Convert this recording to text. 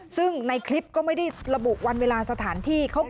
ซึ่งในคลิปก็ไม่ได้ระบุวันเวลาสถานที่